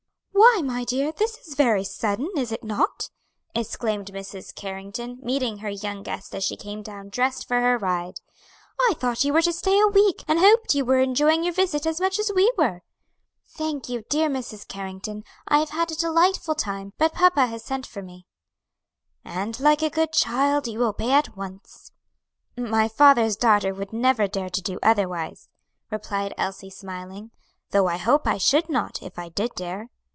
"Why, my dear, this is very sudden, is it not?" exclaimed Mrs. Carrington, meeting her young guest as she came down dressed for her ride. "I thought you were to stay a week, and hoped you were enjoying your visit as much as we were." "Thank you, dear Mrs. Carrington; I have had a delightful time, but papa has sent for me." "And like a good child, you obey at once." "My father's daughter would never dare to do otherwise," replied Elsie, smiling; "though I hope I should not, if I did dare."